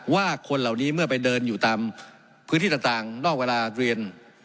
คนเหล่านี้เมื่อไปเดินอยู่ตามพื้นที่ต่างนอกเวลาเรียน